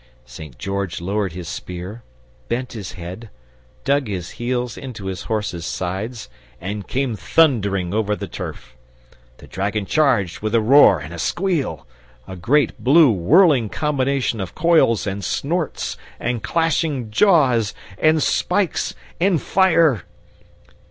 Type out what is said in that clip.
St. George lowered his spear, bent his head, dug his heels into his horse's sides, and came thundering over the turf. The dragon charged with a roar and a squeal, a great blue whirling combination of coils and snorts and clashing jaws and spikes and fire.